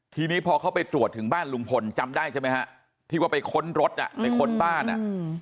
ทีนี้พอเขาไปตรวจถึงบ้านลุงพลจำได้ใช่ไหมฮะที่ว่าไปค้นรถอ่ะไปค้นบ้านอ่ะ